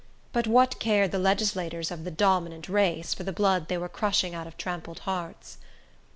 But what cared the legislators of the "dominant race" for the blood they were crushing out of trampled hearts?